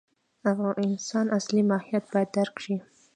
د انسان اصلي ماهیت باید درک شي.